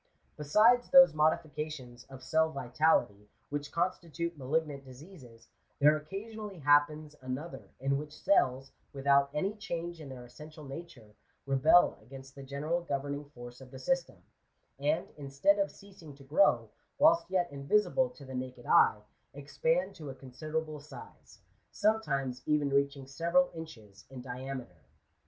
Besides those modifications of oell vitality, which constitute malignant diseases, there occasionally happens another in which cells, without any change in their essential nature, rebel against the general governing force of the system ; and, instead of ceas ing to grow, whilst yet invisible to the naked eye, expand to a considerable size, sometimes even reaching several inches in diameter.